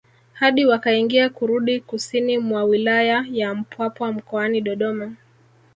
Hadi wakaingia kurudi kusini mwa wilaya ya Mpwapwa mkoani Dodoma